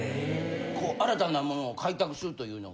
こう新たなものを開拓するというのは。